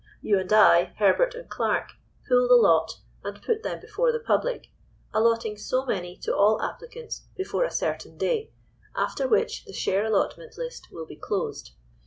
You and I, Herbert and Clarke, pool the lot and put them before the public, allotting so many to all applicants before a certain day—after which the share allotment list will be closed.